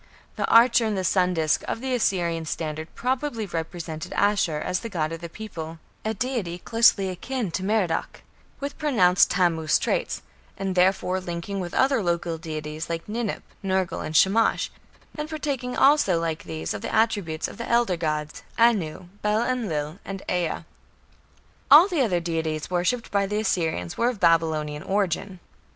The archer in the sun disc of the Assyrian standard probably represented Ashur as the god of the people a deity closely akin to Merodach, with pronounced Tammuz traits, and therefore linking with other local deities like Ninip, Nergal, and Shamash, and partaking also like these of the attributes of the elder gods Anu, Bel Enlil, and Ea. All the other deities worshipped by the Assyrians were of Babylonian origin.